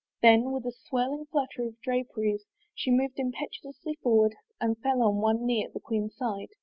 Then with a swirling flutter of draperies she moved impetuously forward and fell on one knee at the queen's side.